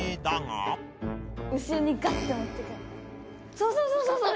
そうそうそうそうそう！